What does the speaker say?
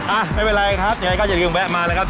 อ่าไม่เป็นไรครับอย่างไรก็อย่างนี้กังแวะมาแล้วครับ